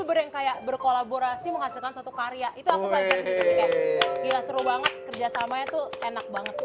berengkaya berkolaborasi menghasilkan satu karya itu seru banget kerjasamanya tuh enak banget